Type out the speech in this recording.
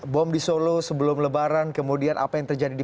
budjady putro cnn indonesia